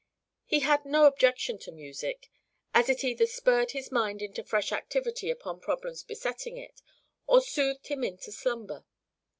He had no objection to music, as it either spurred his mind into fresh activity upon problems besetting it, or soothed him into slumber.